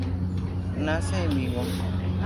Nace en Vigo.